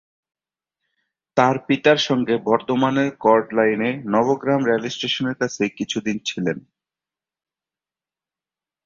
তার পিতার সঙ্গে বর্ধমানের কর্ড লাইনে নবগ্রাম রেল স্টেশনের কাছে কিছুদিন ছিলেন।